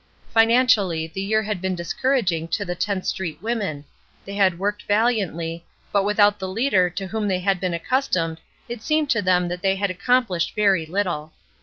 Fi nancially the year had been discouraging to the Tenth Street women ; they had worked vaUantly , but without the leader to whom they had been accustomed it seemed to them that they had accomplished very httle.